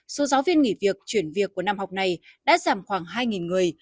số giáo viên nghỉ việc chuyển việc của năm học này đã giảm khoảng hai người